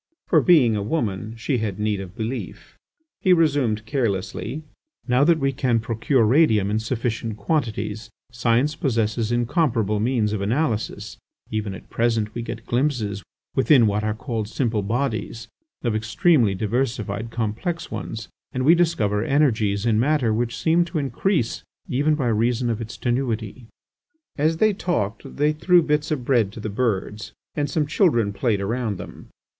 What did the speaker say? For, being a woman, she had need of belief. He resumed carelessly: "Now that we can procure radium in sufficient quantities, science possesses incomparable means of analysis; even at present we get glimpses, within what are called simple bodies, of extremely diversified complex ones, and we discover energies in matter which seem to increase even by reason of its tenuity." As they talked, they threw bits of bread to the birds, and some children played around them.